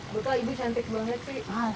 bapak ibu cantik banget sih